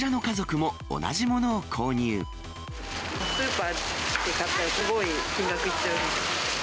スーパーで買ったら、すごい金額いっちゃう。